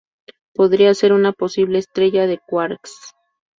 Podría ser una posible Estrella de quarks.